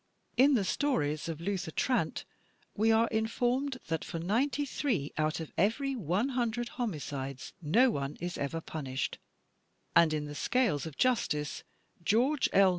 In the stories of Luther Trant, we are informed "that for ninety three out of every one himdred homicides no one is ever punished," and in "The Scales of Justice," George L.